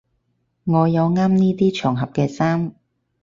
我冇啱呢啲場合嘅衫